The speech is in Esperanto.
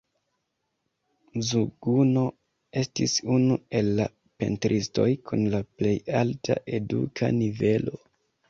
Mzuguno estis unu el la pentristoj kun la plej alta eduka nivelo.